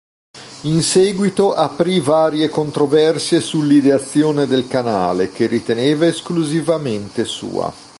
In seguito aprì varie controversie sull'ideazione del canale, che riteneva esclusivamente sua.